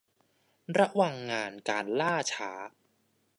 ระวังงานการล่าช้า